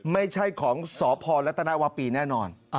ไม่ใช่ของสพรัฐนาวปีแน่นอน